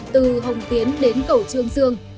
từ hồng tiến đến cầu trương dương